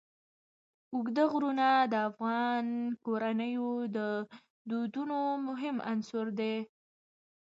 اوږده غرونه د افغان کورنیو د دودونو مهم عنصر دی.